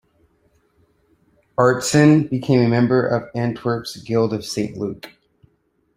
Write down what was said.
Aertsen became a member of Antwerp's Guild of Saint Luke.